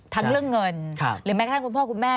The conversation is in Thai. เรื่องเงินหรือแม้กระทั่งคุณพ่อคุณแม่